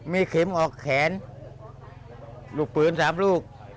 มีเข็มออกแขนลูกปืน๓ลูก